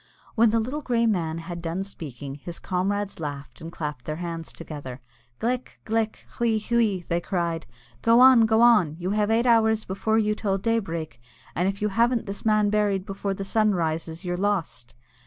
When the grey little man had done speaking, his comrades laughed and clapped their hands together. "Glic! Glic! Hwee! Hwee!" they all cried; "go on, go on, you have eight hours before you till daybreak, and if you haven't this man buried before the sun rises, you're lost."